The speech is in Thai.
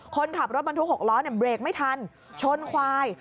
คนขับรถบรรทุก๖ล้อเบรกไม่ทันชนควาย